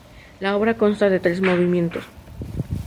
La obra consta de tres movimientos.